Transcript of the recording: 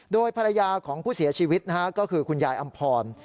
โดยภรรยาของผู้เสียชีวิตนะฮะก็คือคุณยายอำพร